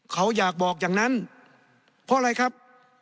เขาอยากบอกอย่างนั้นเพราะอะไรครับ